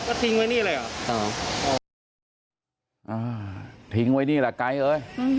ก็ทิ้งไว้นี่เลยเหรออ่าทิ้งไว้นี่แหละไกลเอ้ย